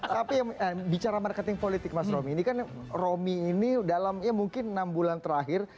tapi bicara marketing politik mas romy ini kan romi ini dalam ya mungkin enam bulan terakhir